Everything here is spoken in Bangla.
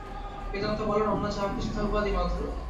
বেদান্ত বলেন, অন্য যাহা কিছু তাহা উপাধি মাত্র।